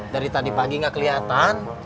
dari tadi pagi gak keliatan